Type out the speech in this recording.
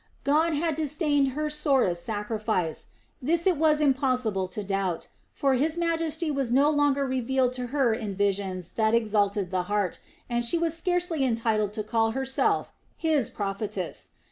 God had disdained her sorest sacrifice; this it was impossible to doubt; for His majesty was no longer revealed to her in visions that exalted the heart, and she was scarcely entitled to call herself His prophetess.